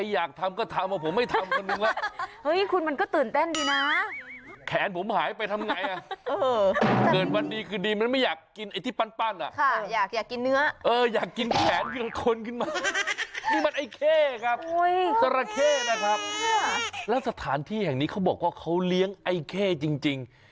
อย่างนี้เขาบอกว่าเขาเลี้ยงไอ้เข้จริง